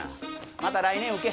また来年受け。